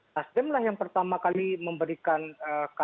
nasdem lah yang pertama kali memberikan kata kepada bu mega untuk mengusung jokowi